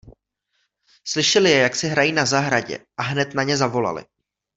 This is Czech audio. Slyšeli je, jak si hrají na zahradě, a hned na ně zavolali.